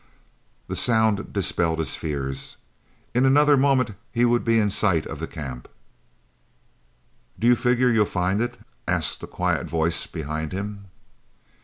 The sound dispelled his fears. In another moment he would be in sight of the camp. "Do you figger you'll find it?" asked a quiet voice behind him.